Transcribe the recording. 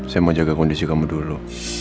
saya mau jaga kondisi kamu dulu